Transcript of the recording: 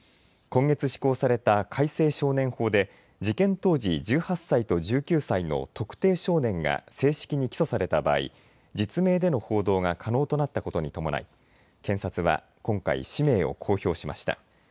今月施行された改正少年法で事件当時１８歳と１９歳の特定少年が正式に起訴された場合、実名での報道が可能となったことに伴い検察は今回、氏名を公表しました。